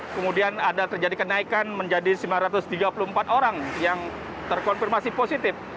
kemudian ada terjadi kenaikan menjadi sembilan ratus tiga puluh empat orang yang terkonfirmasi positif